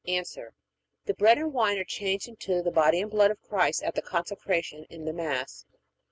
A. The bread and wine are changed into the body and blood of Christ at the Consecration in the Mass.